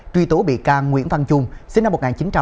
truy tố bị ca nguyễn văn trung sinh năm một nghìn chín trăm tám mươi sáu